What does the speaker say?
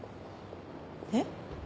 えっ？